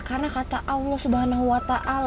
karena kata allah swt